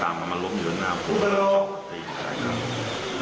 ต้องมาตีขายประหลาด